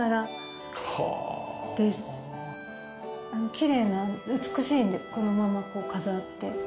きれいな美しいのでこのままこう飾って。